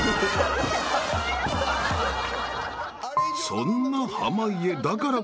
［そんな］